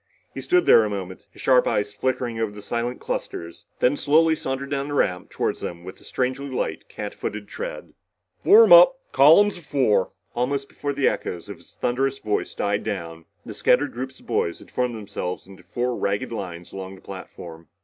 He stood there a moment, his sharp eyes flicking over the silent clusters, then slowly sauntered down the ramp toward them with a strangely light, catfooted tread. "Form up! Column of fours!" Almost before the echoes of the thunderous voice died down, the scattered groups of boys had formed themselves into four ragged lines along the platform.